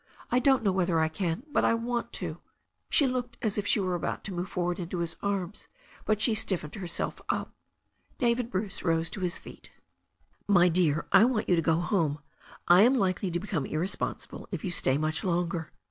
I don't know whether I can — ^but I want to—" She looked as if she were about to move forward into his arms, but she stiffened herself up. David Bruce rose to his feet. THE STORY OF A NEW ZEALAND RIVER 383 "My dear, I want you to go home. I am likely to become irresponsible if you stay much longer.